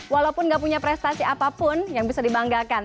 walaupun nggak punya prestasi apapun yang bisa dibanggakan